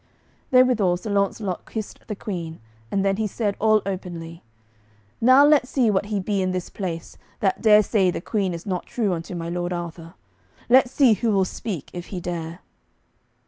Therewithal Sir Launcelot kissed the Queen, and then he said all openly: "Now let see what he be in this place, that dare say the Queen is not true unto my lord Arthur; let see who will speak, if he dare."